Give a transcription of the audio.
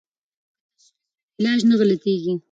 که تشخیص وي نو علاج نه غلطیږي.